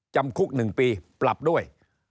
จำรองค์คุกหนึ่งปีปรับด้วย